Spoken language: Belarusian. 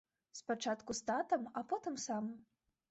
Спачатку з татам, а потым сам.